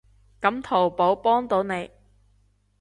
噉淘寶幫到你